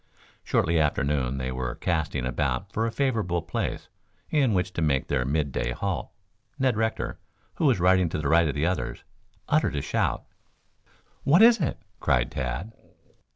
Shortly after noon as they were casting about for a favorable place in which to make their mid day halt, Ned Rector, who was riding to the right of the others, uttered a shout. "What is it?" cried Tad.